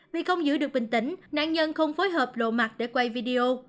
vì không giữ được bình tĩnh nạn nhân không phối hợp lộ mặt để quay video